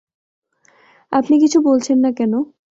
আপনি কিছু বলছেন না কেনো?